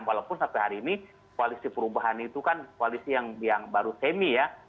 walaupun sampai hari ini koalisi perubahan itu kan koalisi yang baru semi ya